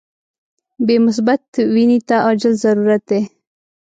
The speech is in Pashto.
بی مثبت وینی ته عاجل ضرورت دي.